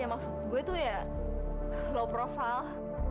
ya maksud gue itu ya low profile